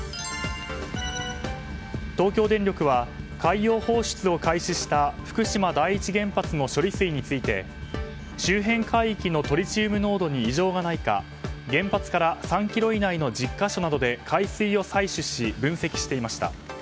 東京電力は海洋放出を開始した福島第一原発の処理水について周辺海域のトリチウム濃度に異常がないか原発から３ｋｍ以内の１０か所などで海水を採取し、分析していました。